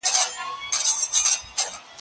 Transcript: ما د سبا لپاره د هنرونو تمرين کړی دی!؟